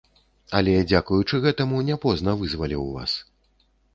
Але дзякуючы гэтаму не позна вызваліў вас.